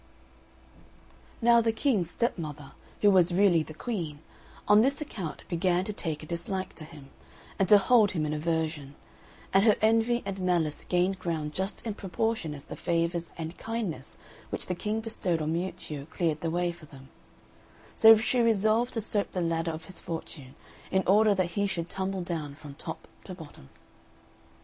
Now the King's stepmother, who was really the queen, on this account began to take a dislike to him, and to hold him in aversion; and her envy and malice gained ground just in proportion as the favours and kindness which the King bestowed on Miuccio cleared the way for them; so she resolved to soap the ladder of his fortune in order that he should tumble down from top to bottom.